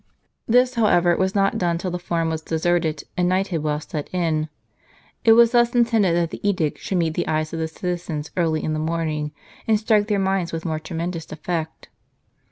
This, however, was not done till the Forum was deserted, and night had well set in. It was thus intended that the edict should meet the eyes of the citizens early in the morning, and strike their minds with more tremendous efiect.